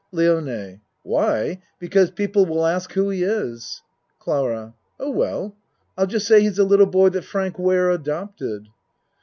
LIONE Why ? Because people will ask who he is. CLARA Oh, well, I'll just say he's a little boy that Frank Ware adopted.